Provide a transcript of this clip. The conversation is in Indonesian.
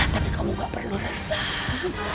tapi kamu gak perlu resep